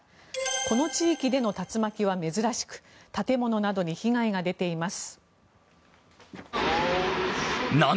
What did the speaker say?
この地域での竜巻は珍しく建物などに被害が出ています。